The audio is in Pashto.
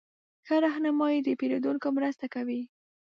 ښه رهنمایي د پیرودونکو مرسته کوي.